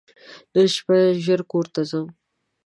نن شپه ژر کور ته ځم !